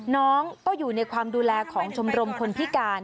น้องก็อยู่ในความดูแลของชมรมคนพิการ